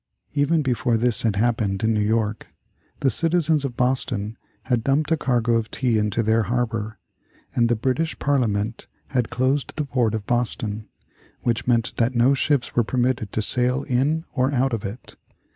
] Even before this had happened in New York, the citizens of Boston had dumped a cargo of tea into their harbor, and the British Parliament had closed the port of Boston; which meant that no ships were permitted to sail in or out of it.